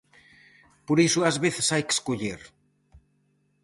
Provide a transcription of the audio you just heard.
Por iso ás veces hai que escoller.